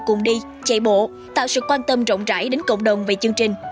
cùng đi chạy bộ tạo sự quan tâm rộng rãi đến cộng đồng về chương trình